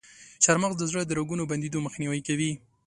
چارمغز د زړه د رګونو بندیدو مخنیوی کوي.